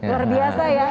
luar biasa ya